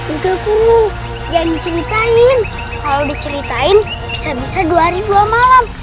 enggak perlu jangan diceritain kalau diceritain bisa bisa dua hari dua malam